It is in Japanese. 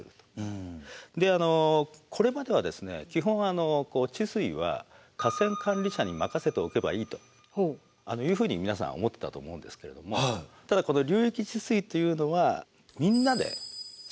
基本治水は河川管理者に任せておけばいいというふうに皆さん思ってたと思うんですけれどもただこの流域治水というのはみんなで治水に取り組んでいくと。